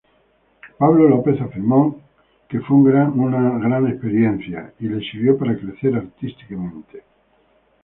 Pablo López afirmó que fue una gran experiencia y le sirvió para crecer artísticamente.